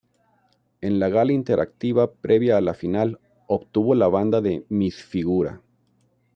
En la gala interactiva previa a la final, obtuvo la banda de "Miss Figura".